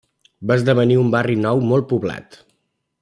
Va esdevenir un barri nou molt poblat.